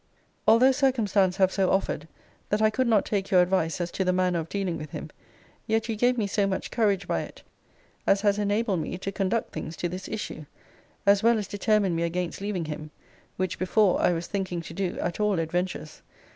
Although circumstance have so offered, that I could not take your advice as to the manner of dealing with him; yet you gave me so much courage by it, as has enabled me to conduct things to this issue; as well as determined me against leaving him: which, before, I was thinking to do, at all adventures.